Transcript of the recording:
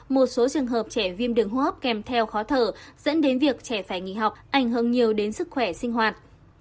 một số trường hợp trẻ viêm đường hô hấp kèm theo khó thở dẫn đến việc trẻ phải nghỉ học ảnh hưởng nhiều đến sức khỏe sinh hoạt